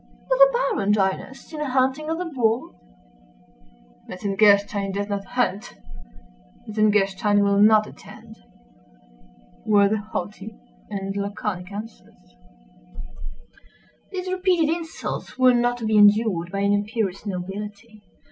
"Will the Baron join us in a hunting of the boar?"—"Metzengerstein does not hunt;" "Metzengerstein will not attend," were the haughty and laconic answers. These repeated insults were not to be endured by an imperious nobility.